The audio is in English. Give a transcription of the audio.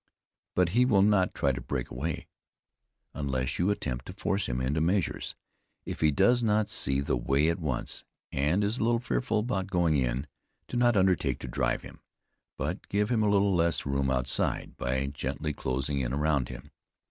But he will not try to break away, unless you attempt to force him into measures. If he does not see the way at once, and is a little fretful about going in, do not undertake to drive him, but give him a little less room outside, by gently closing in around him.